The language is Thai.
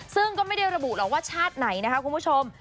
ซึ่งก็ไม่ได้ระบุหรอกว่าชาติไหนนะคะคุณผู้ชม